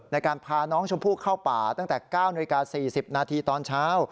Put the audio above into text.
ในการพาน้องชมพู่เข้าป่าตั้งแต่๙นาฬิกา๔๐นาทีตอนเช้า